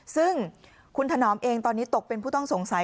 ซึ่งคุณถนอมเองตอนนี้ตกเป็นผู้ต้องสงสัย